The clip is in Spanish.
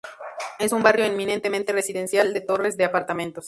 Es un barrio eminentemente residencial, de torres de apartamentos.